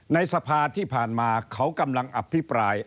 ในสภาที่ผ่านมาเขากำลังอภิปราย